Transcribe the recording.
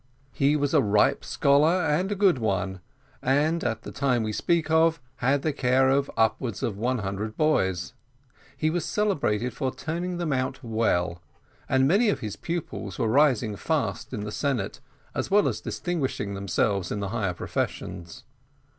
He was a ripe scholar, and a good one, and at the time we speak of had the care of upwards of one hundred boys. He was celebrated for turning them out well, and many of his pupils were rising fast in the senate, as well as distinguishing themselves in the higher professions.